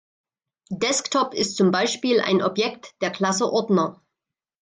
Desktop ist zum Beispiel ein Objekt der Klasse Ordner.